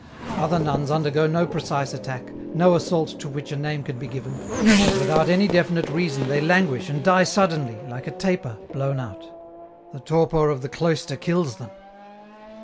*' Other nuns undergo no precise attack, no assault to which a name can be given, but without any definite reason they languish and die suddenly, like a taper, blown out. The torpor of the cloister kills them."